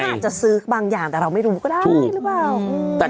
อาจจะซื้อบางอย่างแต่เราไม่รู้ก็ได้หรือเปล่า